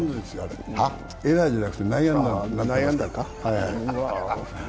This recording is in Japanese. エラーじゃなくて内野安打ですよ。